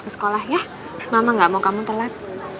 ke sekolah ya mama gak mau kamu telat